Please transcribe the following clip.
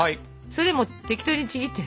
それも適当にちぎって。